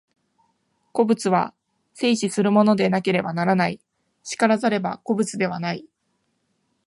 個物は生死するものでなければならない、然らざれば個物ではない。